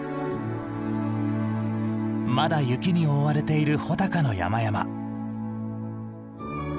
まだ雪に覆われている穂高の山々。